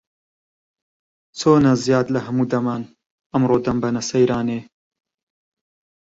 چۆنە زیاد لە هەموو دەمان، ئەمڕۆ دەمبەنە سەیرانێ؟